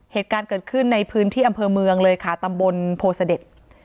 เหตุการณ์เกิดขึ้นในพื้นที่อำเภอเมืองเลยค่ะตำบลโพเสด็จ